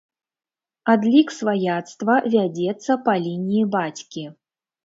Адлік сваяцтва вядзецца па лініі бацькі.